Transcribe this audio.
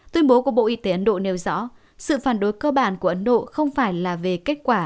tuyên bố của bộ y tế ấn độ nêu rõ sự phản đối cơ bản của ấn độ không phải là về kết quả